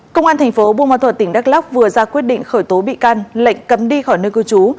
công an tp bumatua tỉnh đắk lóc vừa ra quyết định khởi tố bị can lệnh cấm đi khỏi nơi cư trú